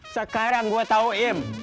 sekarang gua tahu im